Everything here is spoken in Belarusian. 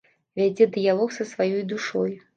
Вядзе дыялог са сваёй душой.